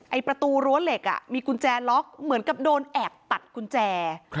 ประตูรั้วเหล็กมีกุญแจล็อกเหมือนกับโดนแอบตัดกุญแจ